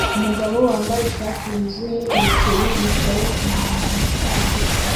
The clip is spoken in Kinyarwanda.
Umugabo wambaye ishati yuzuye ibiceri yicaye kumasanduku